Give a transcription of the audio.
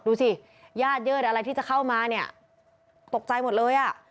ดูสิญาติเยิดอะไรที่จะเข้ามาเนี่ยตกใจหมดเลยอ่ะ